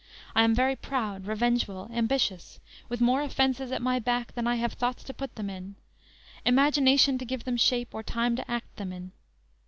I am very proud, revengeful, ambitious; With more offenses at my back Than I have thoughts to put them in; Imagination to give them shape, Or time to act them in.